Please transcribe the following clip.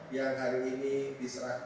yang hari ini sudah beroperasi dengan baik